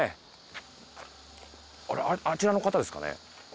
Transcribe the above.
あれあちらの方ですかね？